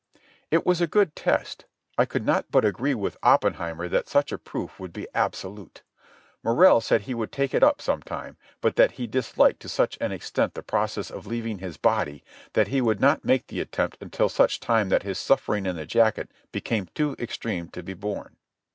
It was a good test. I could not but agree with Oppenheimer that such a proof would be absolute. Morrell said he would take it up some time, but that he disliked to such an extent the process of leaving his body that he would not make the attempt until such time that his suffering in the jacket became too extreme to be borne.